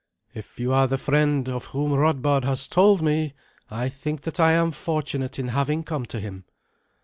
"If you are the friend of whom Radbard has told me, I think that I am fortunate in having come to him."